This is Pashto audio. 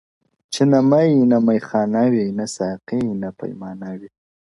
• چي نه می نه میخانه وي نه ساقي نه پیمانه وي-